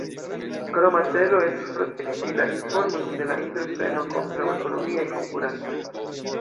Kroma celo estas protekti la informojn de la entrepreno kontraŭ ekonomiaj konkurantoj.